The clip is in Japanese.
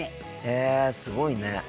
へえすごいね。